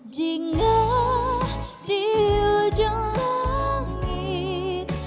jika di ujung langit